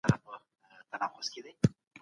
ما د ازادې مطالعې اموخت اخیستی دی.